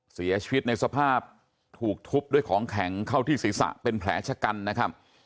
เสียชีวิตในสภาพถูกทุบด้วยของแข็งเข้าที่ศีรษะเป็นแผลชะกันนะครับ